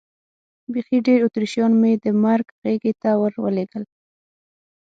بیخي ډېر اتریشیان مې د مرګ غېږې ته ور ولېږل.